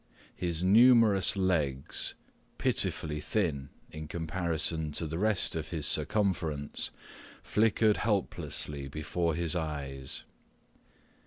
His numerous legs, pitifully thin in comparison to the rest of his circumference, flickered helplessly before his eyes.